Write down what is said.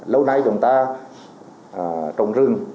lâu nay chúng ta trồng rừng